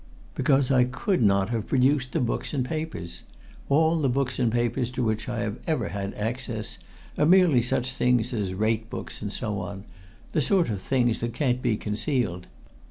"Because I could not have produced the books and papers. All the books and papers to which I have ever had access are merely such things as rate books and so on the sort of things that can't be concealed.